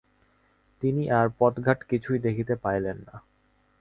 তিনি আর পথঘাট কিছুই দেখিতে পাইলেন না।